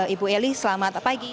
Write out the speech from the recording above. ibu eli selamat pagi